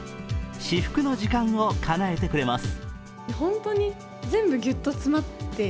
至福の時間をかなえてくれます。